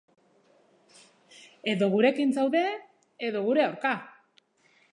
Edo gurekin zaude, edo gure aurka.